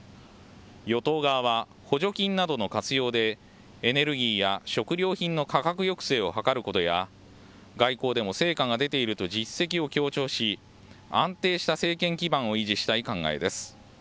与党側は、補助金などの活用でエネルギーや食料品の価格抑制を図ることや外交でも成果が出ていると実績を強調し安定した政権基盤を維持したい考えです。